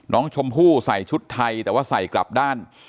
น้องชมพู่ใส่ชุดไทยแต่ว่าใส่กลับด้าน